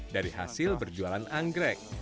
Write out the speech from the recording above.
dari hasil berjualan anggrek